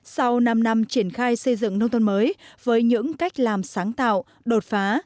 sau năm năm triển khai xây dựng nông thôn mới với những cách làm sáng tạo đột phá